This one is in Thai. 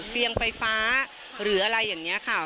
เตียงไฟฟ้าหรืออะไรอย่างนี้ค่ะ